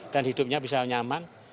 dan hidupnya bisa nyaman